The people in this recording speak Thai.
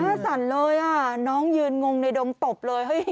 หน้าสั่นเลยน้องยืนงงในดงตบเลย